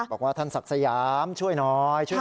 บอกว่าท่านศักดิ์สยามช่วยหน่อยช่วยหน่อย